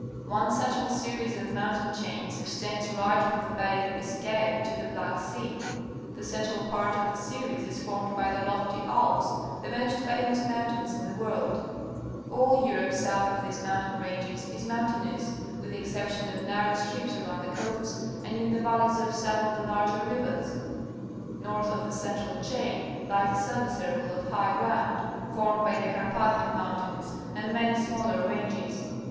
One central series of mountain chains extends right from the Bay of Biscay to the Black Sea. The central part of the ser ies is fonned by the loftj' Alps, the most famous mountains in The great Harbour of Rotterdam, The Netherlands ^j^g world All Europe south of these mountain ranges is mountainous, with the exception of narrow strips around the coasts and in the valleys of some of the larger rivers. North of the cen tral chain lies a semicircle of high ground, formed by the Carpathian Mountains and many smaller ranges.